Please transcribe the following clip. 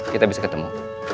kita bisa ketemu